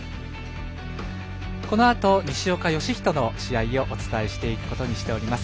このあと西岡良仁の試合をお伝えしていくことにしております。